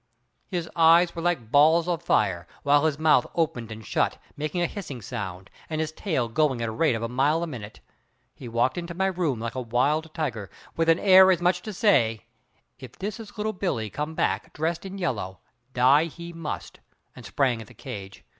His eyes were like balls of fire, while his mouth opened and shut making a hissing sound, and his tail going at the rate of a mile a minute. He walked into my room like a wild tiger, with an air as much as to say, "If this is Little Billie come back dressed in yellow, die he must," and sprang at the cage.